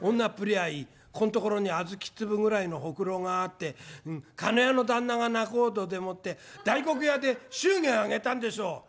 ここんところに小豆粒ぐらいのほくろがあってかねやの旦那が仲人でもって大黒屋で祝言挙げたんでしょう」。